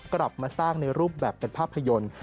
กลับมาสร้างในรูปแบบเป็นภาพยนตร์